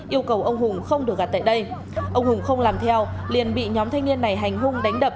yêu cầu ông hùng không được gạt tại đây ông hùng không làm theo liền bị nhóm thanh niên này hành hung đánh đập